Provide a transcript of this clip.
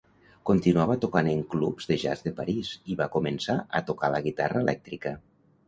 Continuava tocant en clubs de jazz de París i va començar a tocar la guitarra elèctrica.